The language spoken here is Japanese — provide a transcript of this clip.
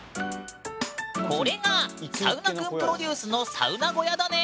これがサウナくんプロデュースのサウナ小屋だね！